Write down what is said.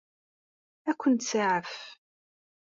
Ad ken-tsaɛef?